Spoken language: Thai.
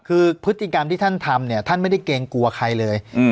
คือพฤติกรรมที่ท่านทำเนี่ยท่านไม่ได้เกรงกลัวใครเลย